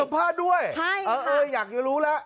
ให้สัมภาษณ์ด้วยเอออยากรู้ละ